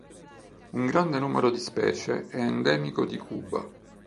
Un grande numero di specie è endemico di Cuba.